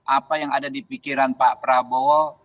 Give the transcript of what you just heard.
apa yang ada di pikiran pak prabowo